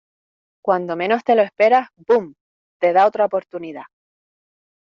cuando menos te lo esperas, boom , te da otra oportunidad.